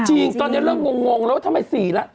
จริงตอนนี้เริ่มงงแล้วทำไม๔ละ